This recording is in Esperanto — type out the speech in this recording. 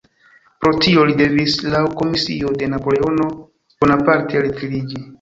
Pro tio li devis laŭ komisio de Napoleono Bonaparte retiriĝi.